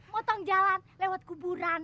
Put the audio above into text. motong jalan lewat kuburan